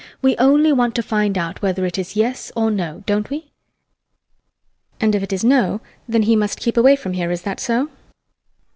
We only want to find out whether it is yes or no, don't we? [A pause] And if it is no, then he must keep away from here, is that so?